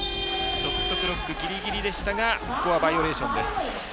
ショットクロックギリギリでしたがここはバイオレーションです。